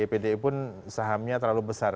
pdi pun sahamnya terlalu besar